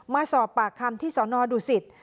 มาสอบปากคำที่สนดุสิต